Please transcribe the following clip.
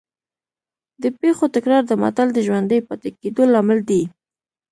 د پېښو تکرار د متل د ژوندي پاتې کېدو لامل دی